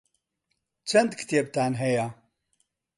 چەند کتێبتان هەیە؟